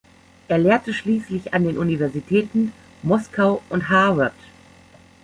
Er lehrte schließlich an den Universitäten Moskau und Harvard.